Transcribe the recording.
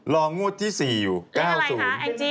งวดที่๔อยู่๙๐